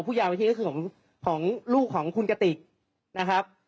ผู้เยาว์นี้ก็คือของลูกของคุณกติกนะครับ